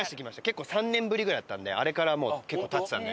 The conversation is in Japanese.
結構、３年ぶりぐらいだったんであれから結構経ってたんで。